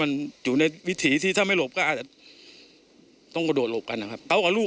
มันอยู่ในวิถีที่ถ้าไม่หลบก็อาจจะต้องกระโดดหลบกันนะครับเอากับลูก